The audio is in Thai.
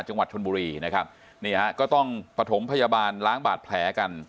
จังหวัดชนบุรีนะครับนี่ฮะก็ต้องปฐมพยาบาลล้างบาดแผลกัน